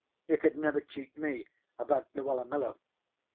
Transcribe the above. You could never cheat me about Luella Miller.